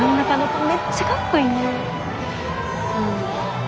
うん。